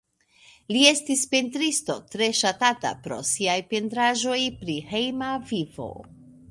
Li estis pentristo tre ŝatata pro siaj pentraĵoj pri hejma vivo.